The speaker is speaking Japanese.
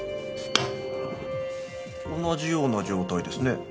同じような状態ですね。